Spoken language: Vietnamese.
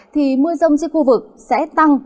thì mưa rông trên khu vực sẽ tăng